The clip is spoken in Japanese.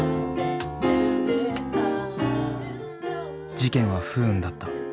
事件は不運だった。